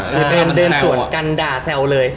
เคยเป็นเดินส่วนกันด่าแซวเลย